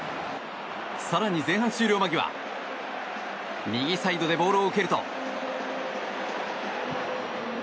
更に前半終了間際右サイドでボールを受けると。